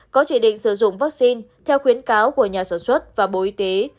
có chỉ định sử dụng vaccine theo khuyến cáo của nhà sản xuất và bộ y tế